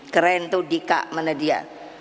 keren itu dika mana dia